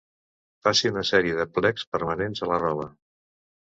Faci una sèrie de plecs permanents a la roba.